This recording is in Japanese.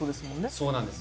そうなんですよ